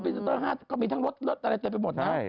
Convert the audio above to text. เขาก็มีทั้งรถอะไรเจนไปหมด